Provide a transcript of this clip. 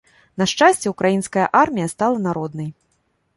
На шчасце, украінская армія стала народнай.